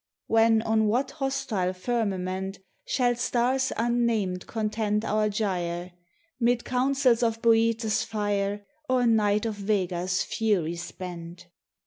When, on what hostile firmament, Shall stars unnamed contend our gyre, 'Mid councils of Bootes' fire, Or night of Vega's fury spent?